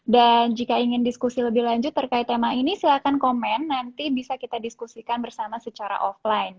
dan jika ingin diskusi lebih lanjut terkait tema ini silahkan komen nanti bisa kita diskusikan bersama secara offline